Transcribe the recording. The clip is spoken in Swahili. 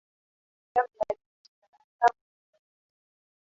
Jacob alionyesha tabasamu huku akiketi chini